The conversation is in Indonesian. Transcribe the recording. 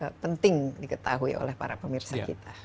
apa penting diketahui oleh para pemirsa kita